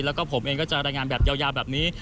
แล้วก็ผมเองก็จะรายงานแบบยาวแบบนี้